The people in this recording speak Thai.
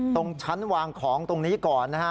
ตรงชั้นวางของตรงนี้ก่อนนะฮะ